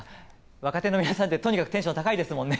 若手の皆さんってとにかくテンション高いですもんね。